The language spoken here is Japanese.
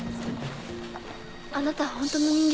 あなた本当の人間？